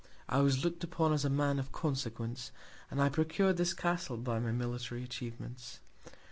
I was look'd upon as a Man of Consequence, and I procur'd this Castle by my military Atchievements.